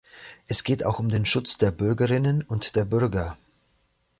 Es geht auch um den Schutz der Bürgerinnen und der Bürger.